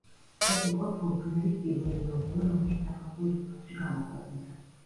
ეს იყო ფოლკნერის პირველი ნოველა, რომელიც სახალხო ჟურნალში გამოქვეყნდა.